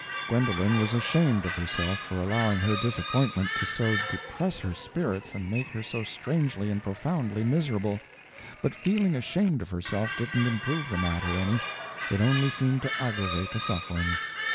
Gwendolen was ashamed of herself for allowing her disappointment to so depress her spirits and make her so strangely and profoundly miserable; but feeling ashamed of herself didn't improve the matter any; it only seemed to aggravate the suffering.